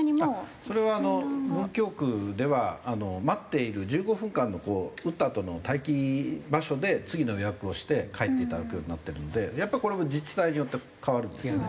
それは文京区では待っている１５分間の打ったあとの待機場所で次の予約をして帰っていただくようになってるのでやっぱりこれも自治体によって変わるんですよね。